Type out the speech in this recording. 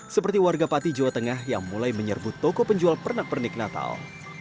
seperti warga pati jawa tengah yang mulai menyerbu toko penjual pernak pernik natal